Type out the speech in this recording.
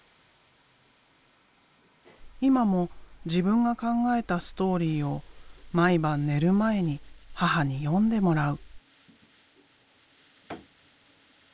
今も自分が考えたストーリーを毎晩寝る前に母に読んでもらう。